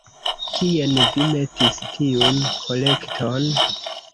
Kien vi metis tiun kolekton?